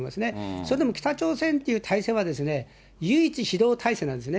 それでも北朝鮮という体制は、唯一指導体制なんですね。